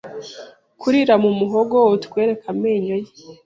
Kurira mu muhogo utwereke amenyo ye